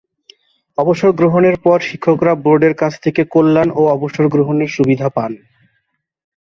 অবসর গ্রহণের পর শিক্ষকরা বোর্ডের কাছ থেকে কল্যাণ ও অবসর গ্রহণের সুবিধা পান।